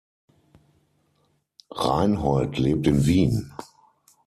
Reinhold lebt in Wien.